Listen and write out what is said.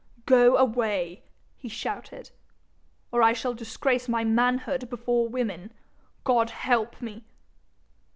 'Go away,' he shouted, 'or I shall disgrace my manhood before women, God help me!'